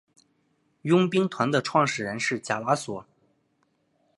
佣兵团的创始人是贾拉索。